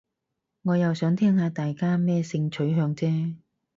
我又想聽下大家咩性取向啫